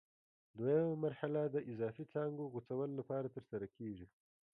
دوه یمه مرحله د اضافي څانګو غوڅولو لپاره ترسره کېږي.